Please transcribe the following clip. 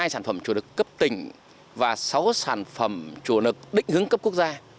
một mươi sản phẩm chủ lực cấp tỉnh và sáu sản phẩm chủ lực định hướng cấp quốc gia